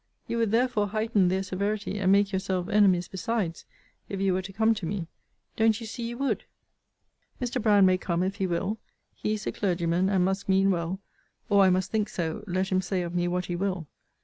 You would therefore heighten their severity, and make yourself enemies besides, if you were to come to me Don't you see you would? Mr. Brand may come, if he will. He is a clergyman, and must mean well; or I must think so, let him say of me what he will.